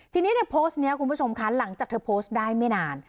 ทีนี้ในโพสต์นี้คุณผู้ชมคะหลังจากเธอโพสต์ได้ไม่นาน